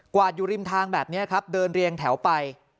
วาดอยู่ริมทางแบบนี้ครับเดินเรียงแถวไป